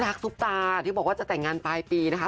ซุปตาที่บอกว่าจะแต่งงานปลายปีนะคะ